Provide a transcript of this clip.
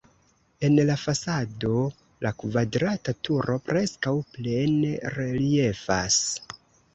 En la fasado la kvadrata turo preskaŭ plene reliefas.